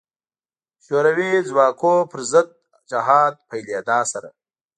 شوروي ځواکونو پر ضد جهاد پیلېدا سره.